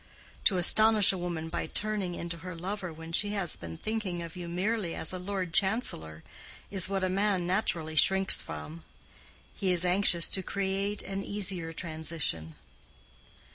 To astonish a woman by turning into her lover when she has been thinking of you merely as a Lord Chancellor is what a man naturally shrinks from: he is anxious to create an easier transition.